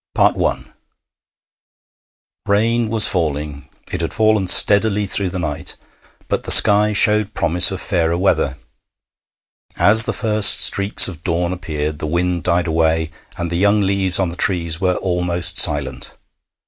I Rain was falling it had fallen steadily through the night but the sky showed promise of fairer weather. As the first streaks of dawn appeared, the wind died away, and the young leaves on the trees were almost silent.